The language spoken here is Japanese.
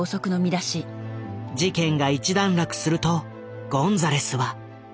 事件が一段落するとゴンザレスは。